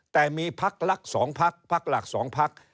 แต่มีพักลักษณ์๒พักพักหลัก๒พัก